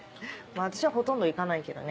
私はほとんど行かないけどね。